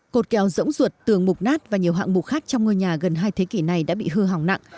cột kéo rỗng ruột tường mục nát và nhiều hạng mục khác trong ngôi nhà gần hai thế kỷ này đã bị hư hỏng nặng